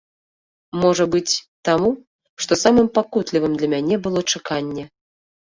Можа быць, таму, што самым пакутлівым для мяне было чаканне.